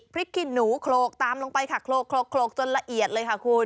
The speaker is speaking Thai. ขี้หนูโคลกตามลงไปค่ะโคลกจนละเอียดเลยค่ะคุณ